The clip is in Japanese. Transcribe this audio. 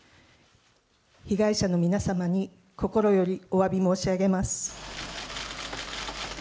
被害者の皆様に心よりおわび申し上げます。